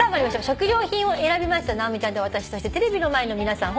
「食料品」を選びました直美ちゃんと私そしてテレビの前の皆さん